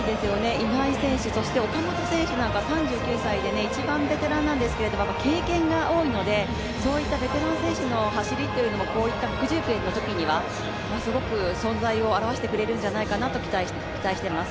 今井選手、そして岡本選手なんかは３９歳で一番ベテランなんですけど経験が多いので、そういったベテラン選手の走りというのもこういった悪条件のときにはすごく存在を現してくれるんじゃないかと期待しています。